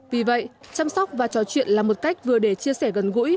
vì vậy chăm sóc và trò chuyện là một cách vừa để chia sẻ gần gũi